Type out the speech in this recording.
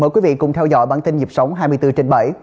mời quý vị cùng theo dõi bản tin nhịp sống hai mươi bốn trên bảy